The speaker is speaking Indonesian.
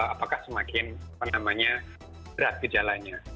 apakah semakin apa namanya berat gejalanya